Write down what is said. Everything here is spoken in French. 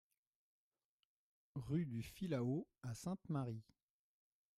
Rue du Filao à Sainte-Marie